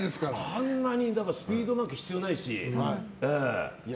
あんなにスピードなんか必要ないし、ええ。